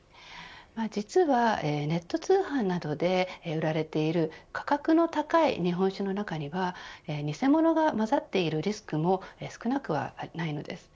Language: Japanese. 実はネット通販などで売られている価格の高い日本酒の中には偽物がまざっているリスクも少なくはないのです。